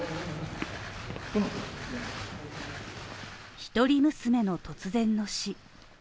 １人娘の突然の死。